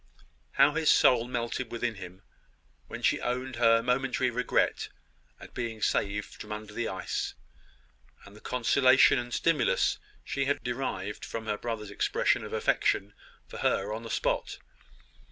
How his soul melted within him when she owned her momentary regret at being saved from under the ice, and the consolation and stimulus she had derived from her brother's expression of affection for her on the spot!